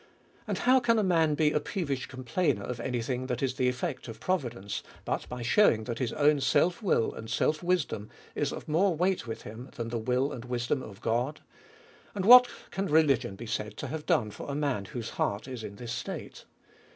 And how can a man be a peevish com plainer of any thing that is the effect of providence, but by shewing that his own self will and self wisdom is of more weight with him, than the will and wisdom of God? And what can religion be said to have done for a man, whose heart is in this state?